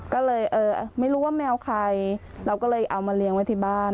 ก็เลยไม่รู้ว่าแมวใครเราก็เลยเอามาเลี้ยงไว้ที่บ้าน